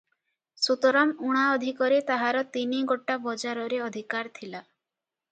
ସୁତରାଂ, ଉଣା ଅଧିକରେ ତାହାର ତିନି ଗୋଟା ବଜାରରେ ଅଧିକାର ଥିଲା